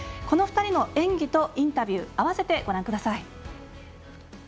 この２人の演技とインタビュー合わせてご覧ください。